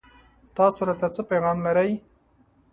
تاسو راته څه پيغام لرئ